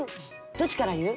どっちから言う？